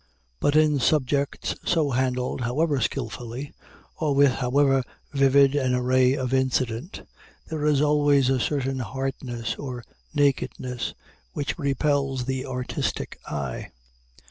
But in subjects so handled, however skillfully, or with however vivid an array of incident, there is always a certain hardness or nakedness, which repels the artistical eye.